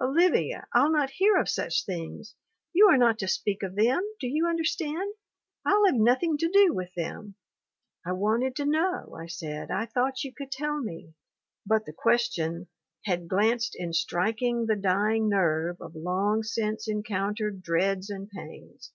'Olivia, I'll not hear of such things! You are not to speak of them, do you understand! I'll have nothing to do with them !'" 'I wanted to know/ I said. 'I thought you could tell me. ..." But the question "had glanced in striking the dying nerve of Jong since encountered dreads and pains.